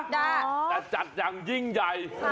แต่จัดอย่างยิ่งใหญ่